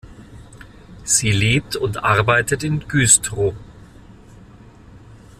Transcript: Sie lebt und arbeitet in Güstrow.